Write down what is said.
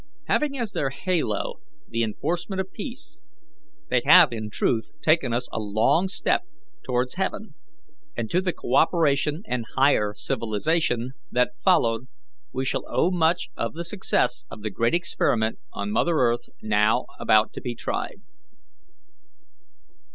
Having as their halo the enforcement of peace, they have in truth taken us a long step towards heaven, and to the co operation and higher civilization that followed we shall owe much of the success of the great experiment on Mother Earth now about to be tried.